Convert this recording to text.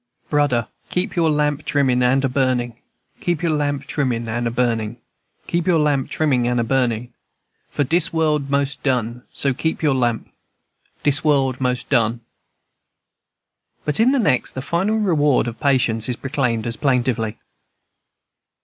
"Brudder, keep your lamp trimmin' and a burnin', Keep your lamp trimmin' and a burnin', Keep your lamp trimmin' and a burnin', For dis world most done. So keep your lamp, &c. Dis world most done." But in the next, the final reward of patience is proclaimed as plaintively.